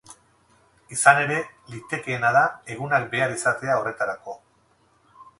Izan ere, litekeena da egunak behar izatea horretarako.